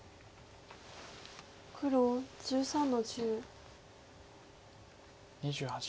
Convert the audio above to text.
黒１３の十。